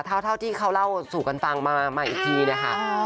เท่าที่เขาเล่าสู่กันฟังมาอีกทีนะคะ